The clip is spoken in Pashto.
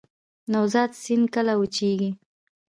نوزاد سیند کله وچیږي؟